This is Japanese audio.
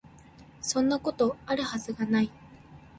そんなこと、有る筈が無い